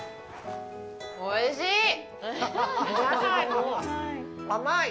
おいしい！